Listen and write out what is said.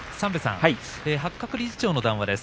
八角理事長の談話です。